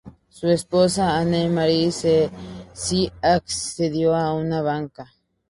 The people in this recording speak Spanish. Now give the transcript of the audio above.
Su esposa Anne-Marie si accedió a una banca.